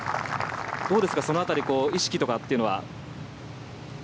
どうですか、その辺り意識とかっていうのは。